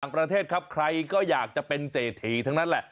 ประเทศครับใครก็อยากจะเป็นเศรษฐีทั้งนั้นแหละ